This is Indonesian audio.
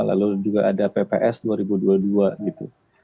lalu juga ada pps dua ribu dua puluh dua gitu